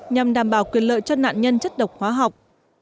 nhằm đảm bảo quyền lợi cho nạn nhân chất độc hóa học